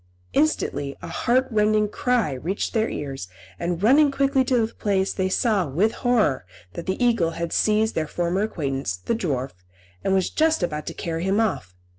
Instantly a heart rending cry reached their ears, and, running quickly to the place, they saw, with horror, that the eagle had seized their former acquaintance, the dwarf, and was just about to carry him off.